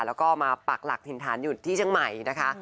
แล้วก็มาปักหลักถิ่นฐานอยู่ที่เชียงใหม่นะคะ